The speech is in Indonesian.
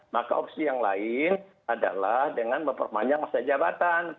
maka opsi yang lain adalah dengan memperpanjang masa jabatan